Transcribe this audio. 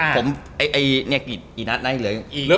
ผมไอ้เนี่ยกี่นัดได้เลย